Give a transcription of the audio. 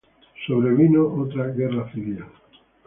Sobrevino otra guerra civil.